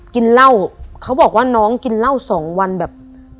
กินเหล้าเขาบอกว่าน้องกินเหล้าสองวันแบบ